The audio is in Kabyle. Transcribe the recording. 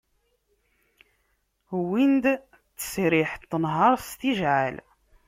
Wwin-d ttesriḥ n tenhert s tijɛεal.